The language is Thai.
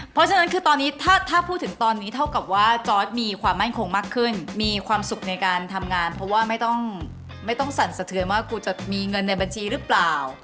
เพราะฉะนั้นคือตอนนี้ถ้าพูดถึงตอนนี้เท่ากับว่าจอร์ดมีความมั่นคงมากขึ้นมีความสุขในการทำงานเพราะว่าไม่ต้องไม่ต้องสั่นสะเทือนว่ากูจะมีเงินในบัญชีหรือเปล่า